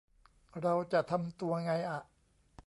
เราจะทำตัวไงอะ